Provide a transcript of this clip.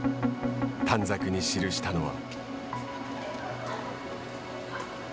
短冊に記したのは。